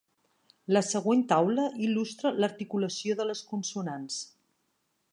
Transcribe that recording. La següent taula il·lustra l’articulació de les consonants.